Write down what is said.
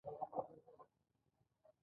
ميرويس خان وويل: زندۍ يې کړئ!